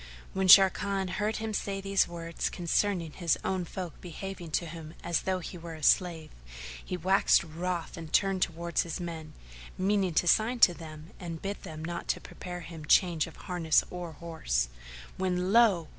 When Sharrkan heard him say these words concerning his own folk behaving to him though he were a slave, he waxt wroth and turned towards his men, meaning to sign to them; and bid them not prepare him change of harness or horse, when lo!